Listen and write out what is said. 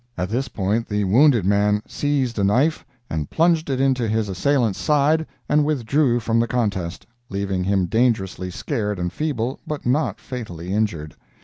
At this point the wounded man seized a knife and plunged it into his assailant's side, and withdrew from the contest, leaving him dangerously scared and feeble, but not fatally injured.